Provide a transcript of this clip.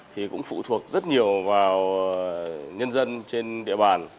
thì cũng phụ thuộc rất nhiều vào nhân dân trên địa bàn